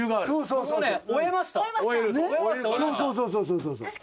そうそうそうそう。